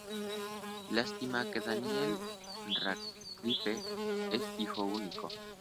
Lástima que Daniel Radcliffe es hijo único.